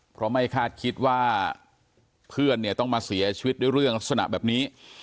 เพราะไม่คาดคิดว่าเพื่อนเนี่ยต้องมาเสียชีวิตด้วยเรื่องลักษณะแบบนี้